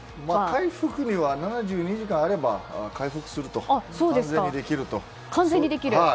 回復は、７２時間あれば回復が完全にできると。